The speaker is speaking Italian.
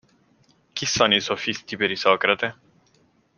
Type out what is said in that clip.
Chi sono i sofisti per Isocrate?